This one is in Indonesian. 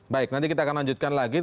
baik nanti kita akan lanjutkan lagi